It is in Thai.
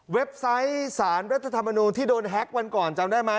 ไซต์สารรัฐธรรมนูลที่โดนแฮ็กวันก่อนจำได้ไหม